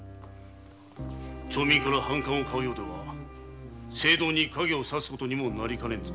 町民の反感をかうようでは政道に影をさすことにもなりかねんぞ。